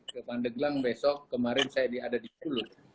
ke pandeglang besok kemarin saya diada di puluh